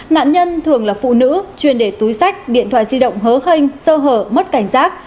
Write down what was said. nạn nhân thường là phụ nữ chuyên đề túi sách điện thoại di động hớ hênh sơ hở mất cảnh giác